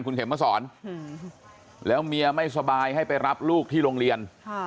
คุณเข็มมาสอนแล้วเมียไม่สบายให้ไปรับลูกที่โรงเรียน